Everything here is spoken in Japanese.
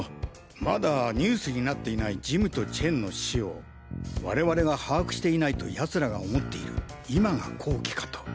まだニュースになっていないジムとチェンの死を我々が把握していないと奴らが思っている今が好機かと。